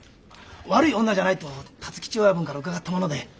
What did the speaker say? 悪い女じゃないと辰吉親分から伺ったもので。